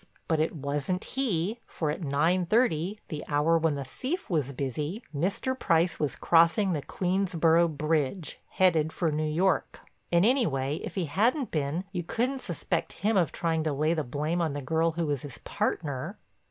But it wasn't he, for at nine thirty, the hour when the thief was busy, Mr. Price was crossing the Queensborough bridge, headed for New York. And anyway, if he hadn't been, you couldn't suspect him of trying to lay the blame on the girl who was his partner.